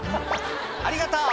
「ありがとう」